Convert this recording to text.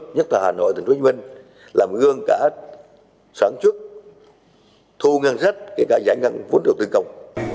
nhất là hà nội tp hcm làm gương cả sáng trước thu ngang rách kể cả giãn ngăn vốn đầu tư công